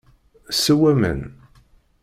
Sew aman.